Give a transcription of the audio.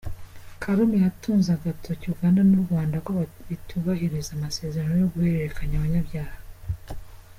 Kalume yanatuze agatoki Uganda n’u Rwanda ko bitubahiriza amasezerano yo kohererezanya abanyabyaha.